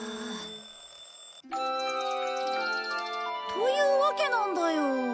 というわけなんだよ。